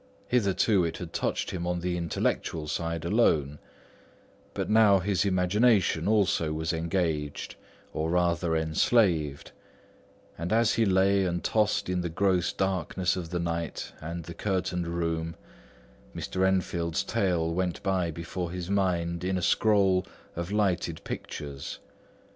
Hitherto it had touched him on the intellectual side alone; but now his imagination also was engaged, or rather enslaved; and as he lay and tossed in the gross darkness of the night and the curtained room, Mr. Enfield's tale went by before his mind in a scroll of lighted pictures.